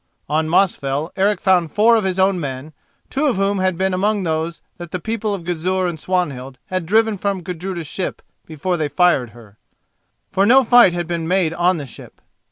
On Mosfell Eric found four of his own men, two of whom had been among those that the people of Gizur and Swanhild had driven from Gudruda's ship before they fired her. For no fight had been made on the ship.